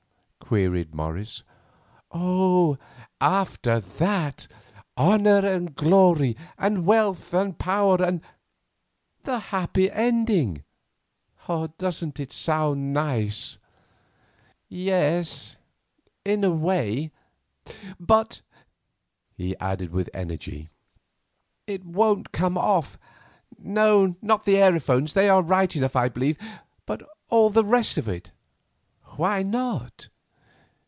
queried Morris. "Oh, after that, honour and glory and wealth and power and—the happy ending. Doesn't it sound nice?" "Ye—es, in a way. But," he added with energy, "it won't come off. No, not the aerophones, they are right enough I believe, but all the rest of it." "Why not?"